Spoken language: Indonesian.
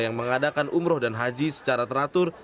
yang mengadakan umroh dan haji secara teratur